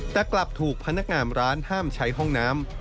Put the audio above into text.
แต่กลับถูกพนักงานร้านห้ามใช้ห้องน้ำ